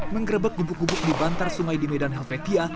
mengerebek gubuk gubuk di bantar sungai di medan helvetia